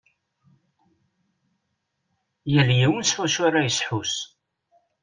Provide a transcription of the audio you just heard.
Yal yiwen s wacu ara yesḥus.